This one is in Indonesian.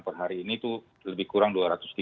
per hari ini itu lebih kurang